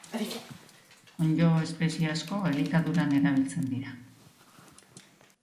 Onddo-espezie asko elikaduran erabiltzen dira